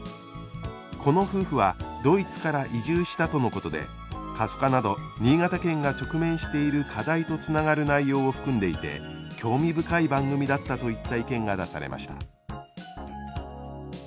この夫婦はドイツから移住したとのことで過疎化など新潟県が直面している課題とつながる内容を含んでいて興味深い番組だった」といった意見が出されました。